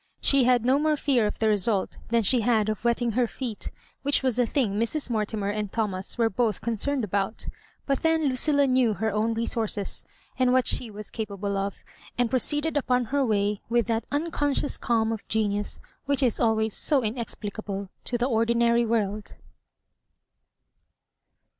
She had no more fear of the result than she had of wetting her feet, which was a thing Mra Mortimer and Thomas were both con cerned about But then Ludlla knew her own resources, and what she was capable of, and pro ceeded upon her way with that unconscious (»daa of genius which is always so mezplioable to the ordinary world.